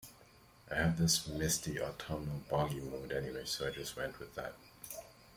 I had this misty, autumnal, boggy mood anyway, so I just went with that.